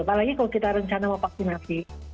apalagi kalau kita rencana mau vaksinasi